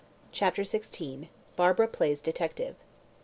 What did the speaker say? CHAPTER XVI. BARBARA PLAYS DETECTIVE.